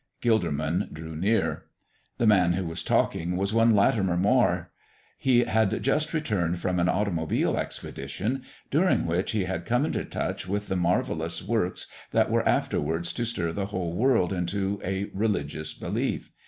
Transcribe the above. Gilderman drew near. The man who was talking was one Latimer Moire. He had just returned from an automobile expedition, during which he had come into touch with the marvellous works that were afterwards to stir the whole world into a religious belief.